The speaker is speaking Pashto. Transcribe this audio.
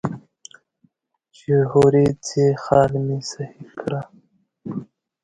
چې هورې ځې خال مې سهي کړه.